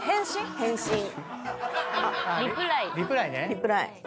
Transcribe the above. リプライ。